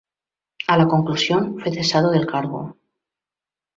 A la conclusión, fue cesado del cargo.